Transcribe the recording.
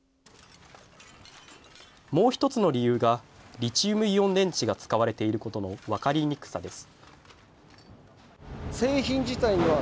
もう一つの理由がリチウムイオン電池が使われていることの分かりにくさです。